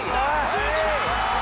シュートだ！